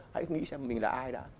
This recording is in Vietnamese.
hãy nghĩ xem mình là ai đã